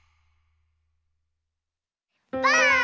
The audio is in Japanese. ばあっ！